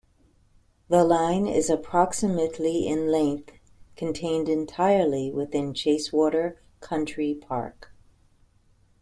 The line is approximately in length, contained entirely within Chasewater Country Park.